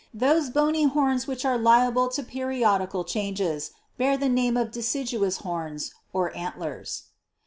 Those bony horns which are liable to periodical changes, bear the name of deciduous horns, (antlers.)